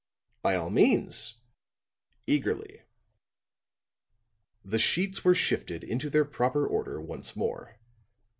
"By all means," eagerly. The sheets were shifted into their proper order once more.